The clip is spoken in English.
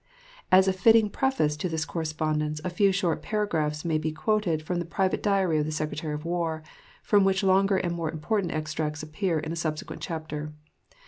As a fitting preface to this correspondence, a few short paragraphs may be quoted from the private diary of the Secretary of War, from which longer and more important extracts appear in a subsequent chapter.